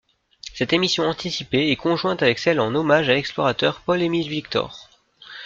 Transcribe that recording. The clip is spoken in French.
Cette émission anticipée est conjointe avec celle en hommage à l'explorateur Paul-Émile Victor.